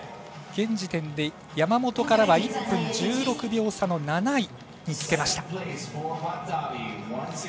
現時点で山本からは１分１６秒差の７位につけました。